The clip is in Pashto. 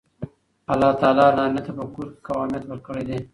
الله تعالی نارینه ته په کور کې قوامیت ورکړی دی.